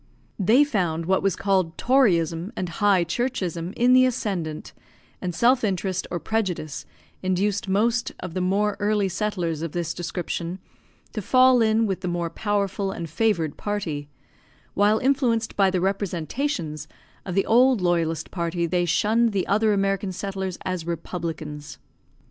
They found what was called toryism and high churchism in the ascendant, and self interest or prejudice induced most of the more early settlers of this description to fall in with the more powerful and favoured party; while influenced by the representations of the old loyalist party they shunned the other American settlers as republicans.